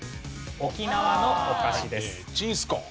沖縄のお菓子です。